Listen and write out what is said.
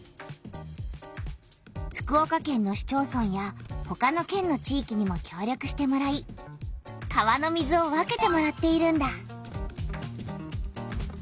福岡県の市町村やほかの県の地いきにもきょう力してもらい川の水を分けてもらっているんだ。